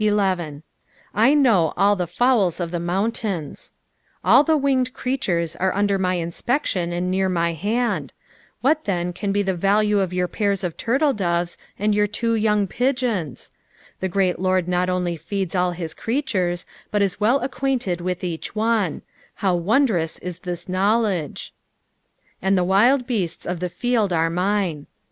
11. "/ kmm all tht fovnU of the m<ra»tain«." All the winged creatom «re under my inspection and near my hand ; what then can he the value of jonr {lairs of turtledoves, and ydur two young pigeons } The great Lord not only eeds all his creatures, but is well acquainted with earh one ; how wondrous is this knowledge I "And the wild h»ut» of the ^d ar« mine."